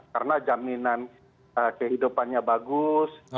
karena jaminan kehidupannya bagus